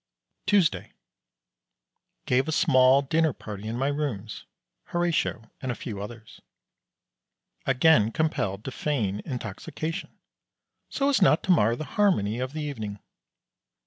Tuesday. Gave a small dinner party in my rooms. Horatio and a few others. Again compelled to feign intoxication, so as not to mar the harmony of the evening.